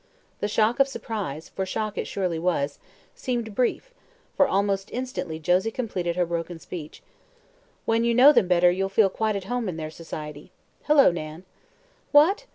The shock of surprise, for shock it surely was, seemed brief, for almost instantly Josie completed her broken speech: "When you know them better you'll feel quite at home in their society. Hello, Nan." "What!